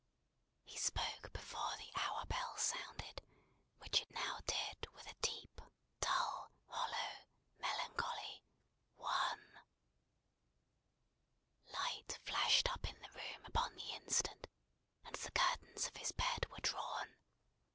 He spoke before the hour bell sounded, which it now did with a deep, dull, hollow, melancholy ONE. Light flashed up in the room upon the instant, and the curtains of his bed were drawn.